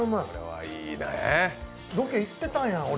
ロケ行ってたんや、俺。